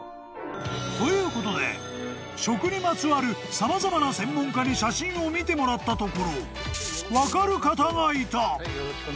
［ということで食にまつわる様々な専門家に写真を見てもらったところ分かる方がいた］